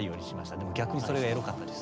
でも逆にそれがエロかったです。